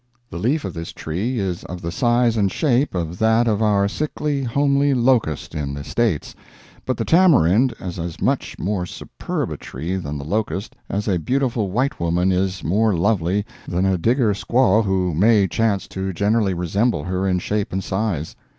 The leaf of this tree is of the size and shape of that of our sickly, homely locust in the States; but the tamarind is as much more superb a tree than the locust as a beautiful white woman is more lovely than a Digger squaw who may chance to generally resemble her in shape and size.